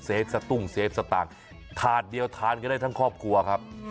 เซฟซะตุ้งเซฟซะต่างทานเดียวทานกันได้ทั้งครอบครัวครับ